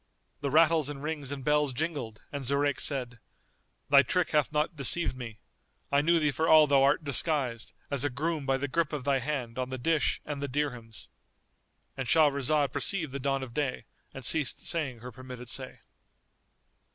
The rattles and rings and bells jingled and Zurayk said, "Thy trick hath not deceived me. I knew thee for all thou art disguised as a groom by the grip of thy hand on the dish and the dirhams."— And Shahrazad perceived the dawn of day and ceased saying her permitted say.